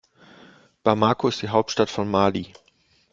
Bamako ist die Hauptstadt von Mali.